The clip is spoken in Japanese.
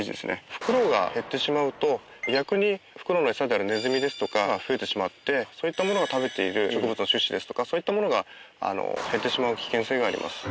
フクロウが減ってしまうと逆にフクロウの餌であるネズミですとかが増えてしまってそういったものが食べている植物の種子ですとかそういったものが減ってしまう危険性があります。